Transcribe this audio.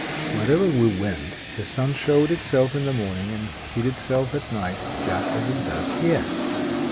Wherever we went, the sun showed itself in the morning and hid itself at night, just as it does here."